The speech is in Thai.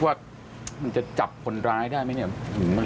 ว่ามันจะจับคนร้ายได้ไหมเนี่ย